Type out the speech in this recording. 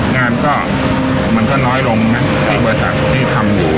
งานก็มันก็น้อยลงนะที่บริษัทที่ทำอยู่